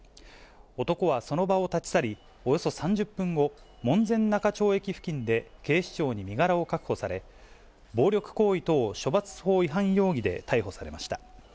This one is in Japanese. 男はその場を立ち去り、およそ３０分後、門前仲町駅付近で警視庁に身柄を確保され、暴力行為等処罰法違反容疑で逮捕されました。